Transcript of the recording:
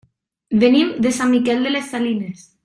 Venim de Sant Miquel de les Salines.